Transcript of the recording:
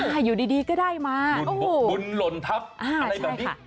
อยู่ดีก็ได้มาบุญหล่นทัพอะไรแบบนี้